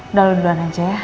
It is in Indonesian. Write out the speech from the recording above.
udah lalu duluan aja ya